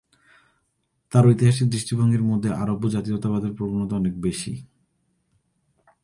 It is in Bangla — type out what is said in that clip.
তার ঐতিহাসিক দৃষ্টিভঙ্গির মধ্যে, আরব্য জাতীয়তাবাদের প্রবণতা অনেক বেশি।